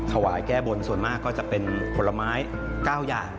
ถวายแก้บนส่วนมากก็จะเป็นผลไม้๙อย่าง